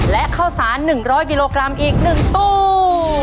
และข้าวสาร๑๐๐กิโลกรัมอีก๑ตู้